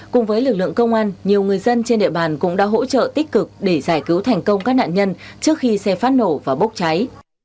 cùng với lực lượng công an nhiều người dân trên địa bàn cũng đã hỗ trợ tích cực để giải cứu thành công các nạn nhân trước khi xe phát nổ và bốc cháy